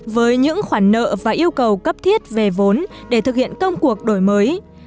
với những khoản nợ và yêu cầu cấp thiết về vốn để thực hiện công cuộc đổi mới